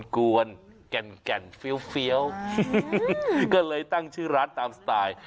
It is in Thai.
ก็เลยตั้งชื่อร้านตามสไตล์